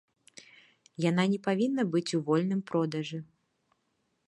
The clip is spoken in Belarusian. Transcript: Яна не павінна быць у вольным продажы.